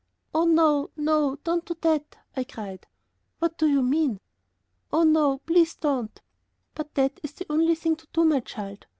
"Oh, no, no, don't do that," I cried. "What do you mean?" "Oh, no, please don't." "But that is the only thing to do, my child."